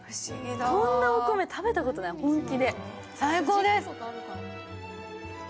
こんなお米、食べたことない、本気で、最高です！